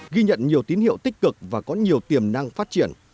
ghi nhận nhiều tín hiệu tích cực và có nhiều tiềm năng phát triển